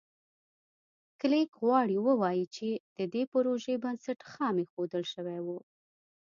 کلېک غواړي ووایي چې د دې پروژې بنسټ خام ایښودل شوی و.